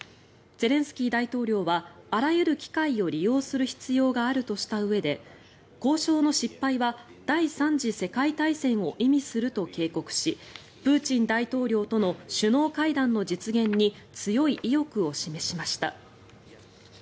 ゼレンスキー大統領はあらゆる機会を利用する必要があるとしたうえで交渉の失敗は第３次世界大戦を意味すると警告しプーチン大統領との首脳会談の実現に強い意欲を示しました。